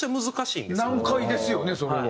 難解ですよねそれは。